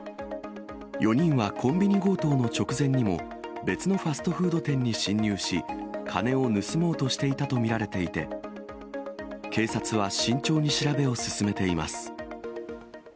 ４人はコンビニ強盗の直前にも、別のファストフード店に侵入し、金を盗もうとしていたと見られていて、警察は慎重に調べを進めています。